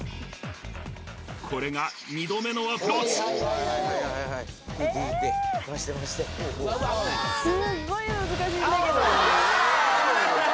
これが２度目のアプローチえっ